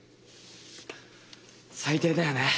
最低だよね